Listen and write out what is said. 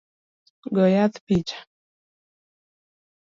Go yath picha